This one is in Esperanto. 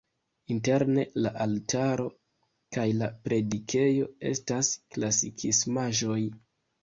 Interne la altaro kaj la predikejo estas klasikismaĵoj.